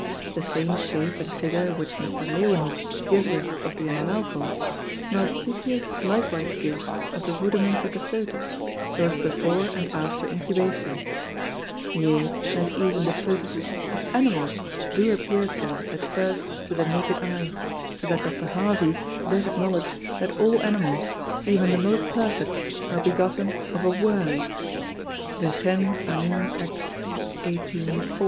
The same Shape and Figure which Mr. Leewenhoeck gives us of the Animalcle, Malpighius likewise gives of the Rudiments of the Fœtus, both before and after Incubation; yea, and even the Fœtus's of Animals do appear so at first to the naked Eye, so that Dr. Harvey does acknowledge that all Animals, even the most perfect, are begotten of a Worm, De Gen. Anim. Ex. 18. 4.